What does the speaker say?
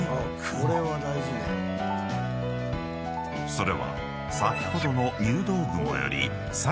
［それは先ほどの］